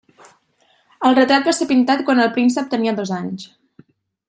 El retrat va ser pintat quan el príncep tenia dos anys.